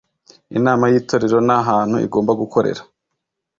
Inama y itorero n ahantu igomba gukorera